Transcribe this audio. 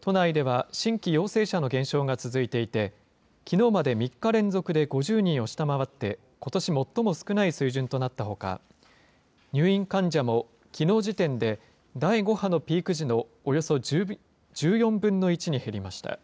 都内では、新規陽性者の減少が続いていて、きのうまで３日連続で５０人を下回って、ことし最も少ない水準となったほか、入院患者もきのう時点で第５波のピーク時のおよそ１４分の１に減りました。